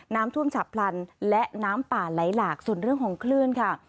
น้ำท่วมฉับพลันและน้ำป่าไหลหลากส่วนเรื่องของคลื่นค่ะ